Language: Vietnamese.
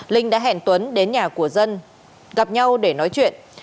linh đã hẹn tuấn đến nhà của dân gặp nhau để nói chuyện